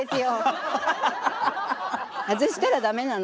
外したらダメなの。